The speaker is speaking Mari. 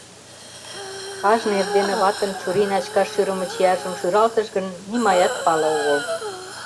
Кажне эрдене ватын чурий начкаш шӱрымӧ чияжым шӱралтыш гын, нимаят пале огыл.